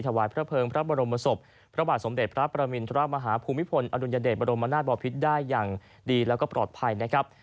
ถวายพระเภิงพระบรมศพพระบาทสมเด็จพระประมินทรมาฮาภูมิพลอดุลยเดชบรมนาศบอพิษได้อย่างดีแล้วก็ปลอดภัยนะครับ